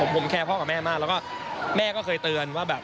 ผมแคร์พ่อกับแม่มากแล้วก็แม่ก็เคยเตือนว่าแบบ